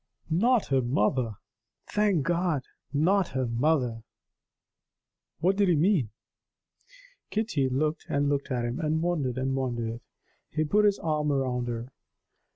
"Not her mother! Thank God, not her mother!" What did he mean? Kitty looked and looked at him, and wondered and wondered. He put his arm round her.